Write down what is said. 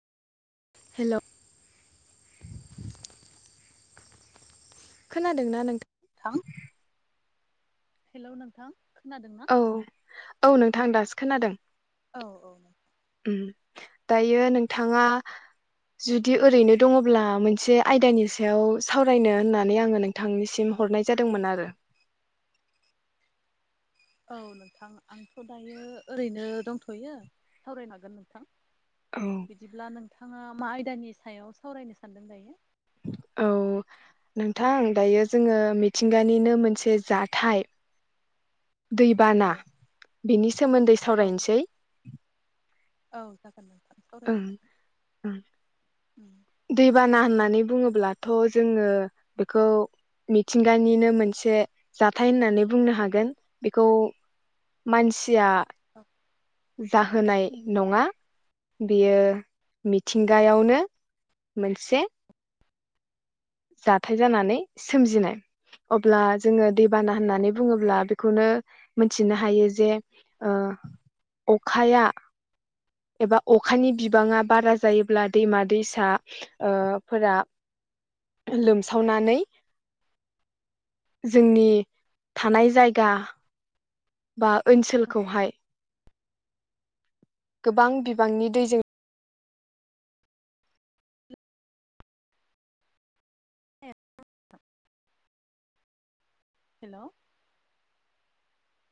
हेल'! खोनादोंना नोंथा? नोंथां हेल' नोंथां खोनादों ना? औ औ नोंथां दासो खोनादों। औ औ ओम दायो नोंथाङा जुदि ओरैनो दङब्ला मोनसे आयदानि सायाव सावरायनो होननानै आङो नोंथांनिसिम हरनाय जादोंमोन आरो। औ नोंथां आंथ' दायो ओरैनो दंथ'यो सावरायनो हागोन नोंथां। औ बिदिब्ला नोंथाङा मा आयदानि सायाव सावरायनो सानदों दायो? औ नोंथां दायो जोङो मिथिंगानिनो मोनसे जाथाय दैबाना औ बिनि सोमोन्दै औ सावरायनोसै। औ जागोन नोंथां ओं सावरायनो ओं हागोन ओम दैबाना होननानै बुङोब्लाथ' जोङो बेखौ मिथिंगानिनो मोनसे जाथाय होननानै बुंनो हागोन। बेखौ मानसिया जाहोनाय नङा, बियो मिथिंगायावनो मोनसे जाथाय जानानै सोमजिनाय। अब्ला जोङो दैबाना होननानै बुङोब्ला बेखौनो मिथिनो हायो जे ओ अखाया एबा अखानि बिबाङा बारा जायोब्ला दैमा-दैसा ओ फोरा लोमसावनानै जोंनि थानाय जायगा बा ओनसोलखौहाय गोबां बिबांनि दैजों हेल'!